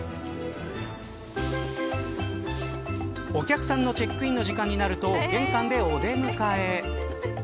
お客さんのチェックインの時間になると玄関でお出迎え。